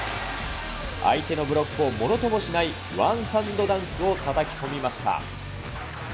相手のブロックをものともしないワンハンドダンクをたたき込みました。